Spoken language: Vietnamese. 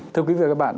thưa quý vị và các bạn